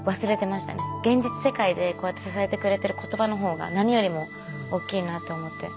現実世界でこうやって支えてくれてる言葉の方が何よりもおっきいなと思って。